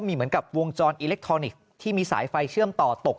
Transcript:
มีเหมือนกับวงจรอิเล็กทรอนิกส์ที่มีสายไฟเชื่อมต่อตก